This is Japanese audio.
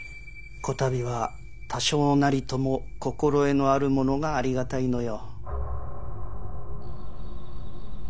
こたびは多少なりとも心得のあるものがありがたいのよ。